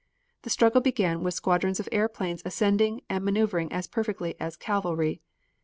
The struggle began with squadrons of airplanes ascending and maneuvering as perfectly as cavalry.